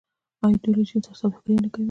آیا دوی له چین سره سوداګري نه کوي؟